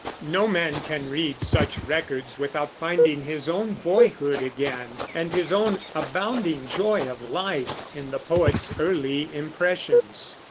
No man can read such records without finding his own boyhood again, and his own abounding joy of life, in the poet's early impressions.